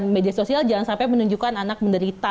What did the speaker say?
media sosial jangan sampai menunjukkan anak menderita